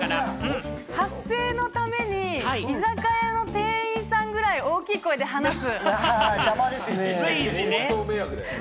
発声のために居酒屋の店員さんくらい大きい声で話す。